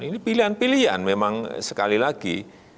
ini pilihan pilihan memang sekali lagi